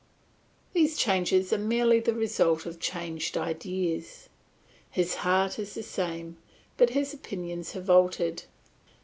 These changes are merely the result of changed ideas. His heart is the same, but his opinions have altered.